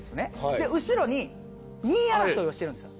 で後ろに２位争いをしてるんですよ。